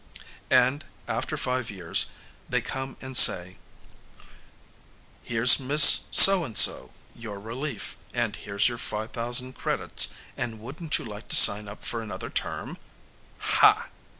And, after five years, they come and say, "Here's Miss So and So, your relief, and here's your five thousand credits and wouldn't you like to sign up for another term?" Ha!